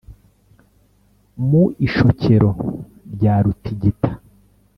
mu ishokero rya rutigita